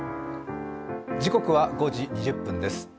時刻は５時２０分です。